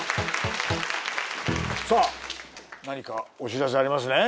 さあ何かお知らせありますね？